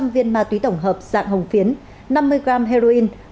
sáu trăm linh viên ma túy tổng hợp dạng hồng phiến năm mươi gram heroin